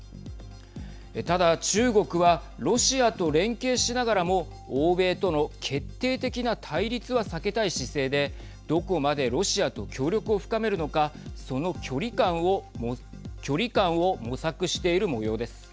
ただ中国はロシアと連携しながらも欧米との決定的な対立は避けたい姿勢でどこまでロシアと協力を深めるのかその距離感を模索しているもようです。